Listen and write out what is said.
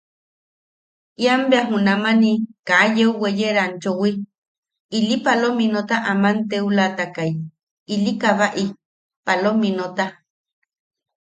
Ian bea junamani kaa yeu weye ranchowi, ili palominota aman teulatakai ili kabaʼi palominota.